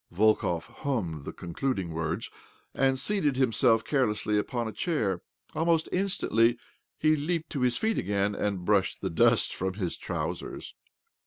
" Volkov hummed the concluding words, and seated himself carelessly upon a chair. Almost instantly he leaped to his feet again, and brushed the dust from his trousers.